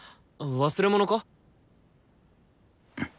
忘れ物か？